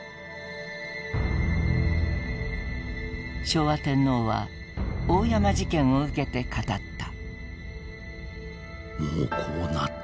昭和天皇は大山事件を受けて語った。